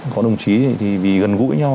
có đồng chí thì vì gần gũi nhau